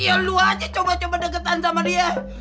ya lo aja coba coba deketan sama dia